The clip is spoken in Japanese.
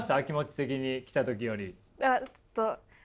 気持ち的に。来た時より。